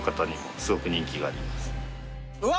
うわ！